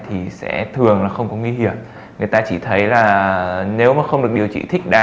thì sẽ thường là không có nguy hiểm người ta chỉ thấy là nếu mà không được điều trị thích đá